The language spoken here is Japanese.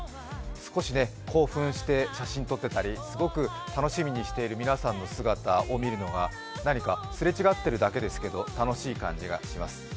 少し興奮して写真を撮っていたりすごく楽しみにしている皆さんの姿を見るのが、何かすれ違ってるだけですけど、楽しい感じがします。